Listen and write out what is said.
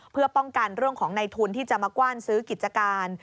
เพื่อป้องกันเรื่องของในทุนที่จะมากว้านซื้อกิจการ